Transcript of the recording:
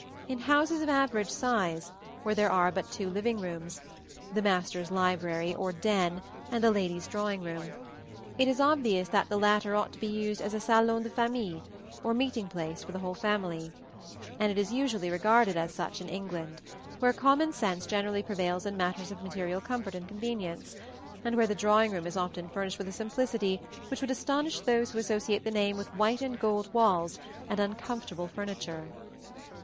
In houses of average size, where there are but two living rooms the master's library, or "den," and the lady's drawing room, it is obvious that the latter ought to be used as a salon de famille, or meeting place for the whole family; and it is usually regarded as such in England, where common sense generally prevails in matters of material comfort and convenience, and where the drawing room is often furnished with a simplicity which would astonish those who associate the name with white and gold walls and uncomfortable furniture.